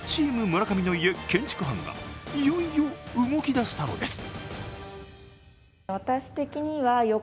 村上の家建築班がいよいよ動き出したのです。